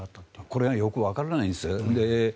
これはよくわからないです。